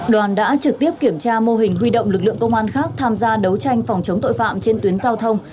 đoàn đã trực tiếp kiểm tra mô hình huy động lực lượng công an khác tham gia đấu tranh phòng chống tội phạm trên tuyến giao thông